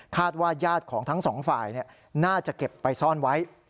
ว่าญาติของทั้งสองฝ่ายน่าจะเก็บไปซ่อนไว้